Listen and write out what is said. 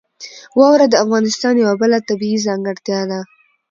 واوره د افغانستان یوه بله طبیعي ځانګړتیا ده.